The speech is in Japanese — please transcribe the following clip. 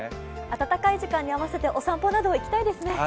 暖かい時間に合わせてお散歩とか行きたいですね。